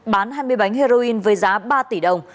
bán hai mươi bánh heroin với giá ba tỷ đồng